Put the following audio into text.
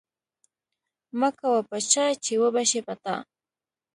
مکوه په چا چې وبه شي په تا.